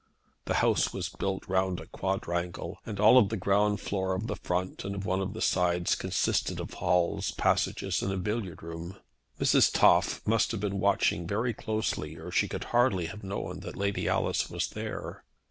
The house was built round a quadrangle, and all the ground floor of the front and of one of the sides consisted of halls, passages, and a billiard room. Mrs. Toff must have been watching very closely or she could hardly have known that Lady Alice was there.